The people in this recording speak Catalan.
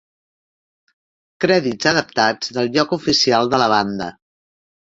Crèdits adaptats del lloc oficial de la banda.